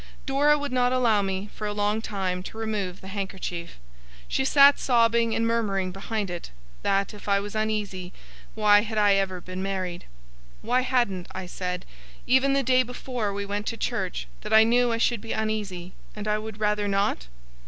Dora would not allow me, for a long time, to remove the handkerchief. She sat sobbing and murmuring behind it, that, if I was uneasy, why had I ever been married? Why hadn't I said, even the day before we went to church, that I knew I should be uneasy, and I would rather not?